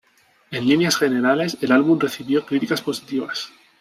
En líneas generales el álbum recibió críticas positivas.